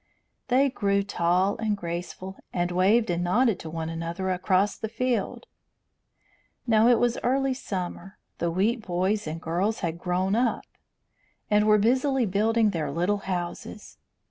They grew tall and graceful, and waved and nodded to one another across the field. Now it was early summer. The wheat boys and girls had grown up, and were busily building their little houses.